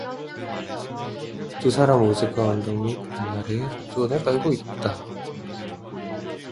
두 사람은 으슥한 언덕 밑 바위 아래에 손수건을 깔고 앉았다.